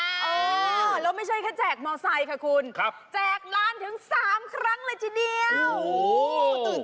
เออแล้วไม่ใช่แค่แจกมอเตอร์ไซค่ะคุณแจกล้านถึง๓ครั้งเลยทีเดียวโอ้โฮ